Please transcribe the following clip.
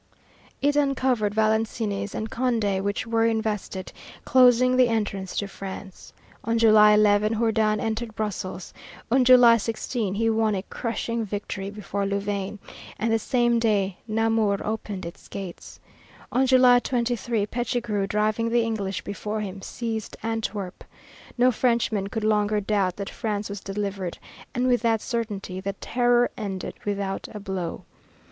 It uncovered Valenciennes and Condé, which were invested, closing the entrance to France. On July 11, Jourdan entered Brussels; on July 16, he won a crushing victory before Louvain and the same day Namur opened its gates. On July 23, Pichegru, driving the English before him, seized Antwerp. No Frenchman could longer doubt that France was delivered, and with that certainty the Terror ended without a blow.